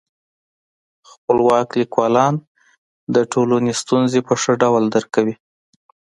خپلواک لیکوالان د ټولني ستونزي په ښه ډول درک کوي.